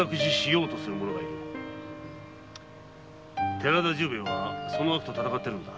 寺田重兵衛はその悪と闘っているのだ。